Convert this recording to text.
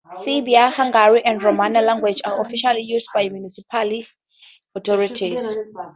Serbian, Hungarian, and Romanian language are officially used by municipal authorities.